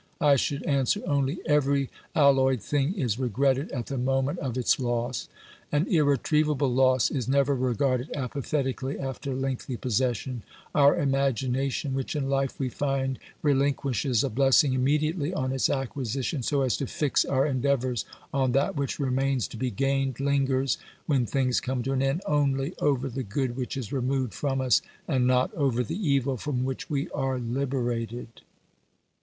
I should answer only : Every alloyed thing is re gretted at the moment of its loss ; an irretrievable loss is never regarded apathetically after lengthy possession ; our imagination, which in life we find relinquishes a bless ing immediately on its acquisition so as to fix our en deavours on that which remains to be gained, lingers, when things come to an end, only over the good which is removed from us, and not over the evil from which we are liberated.